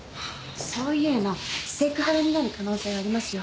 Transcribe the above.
そういうのセクハラになる可能性ありますよ。